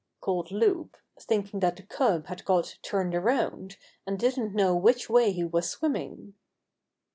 called Loup, thinking that the cub had got turned around and didn't know which way he was swimming.